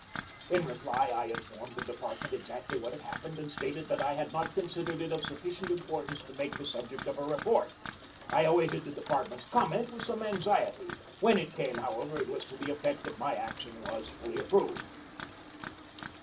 In reply I informed the department exactly what had happened and stated that I had not considered it of sufficient im portance to be made the subject of a report. I awaited the department's comment with some anx iety. When it came, however, it was to the effect that my action was fully approved.